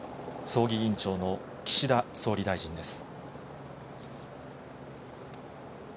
葬儀委員長の岸田総理大臣です。